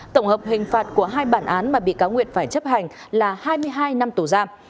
tổng hợp hình phạt của hai bản án mà bị cáo nguyệt phải chấp hành là hai mươi hai năm tù giam